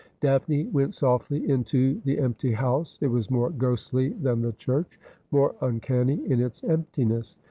Daphne went softly into the empty house. It was more ghostly than the church — more uncanny in its emptiness.